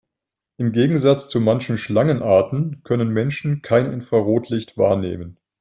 Im Gegensatz zu manchen Schlangenarten können Menschen kein Infrarotlicht wahrnehmen.